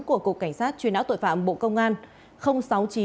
của cục cảnh sát truyền áo tội phạm bộ công an